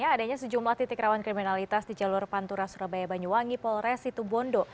adanya sejumlah titik rawan kriminalitas di jalur pantura surabaya banyuwangi polres situbondo